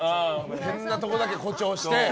変なところだけ誇張して。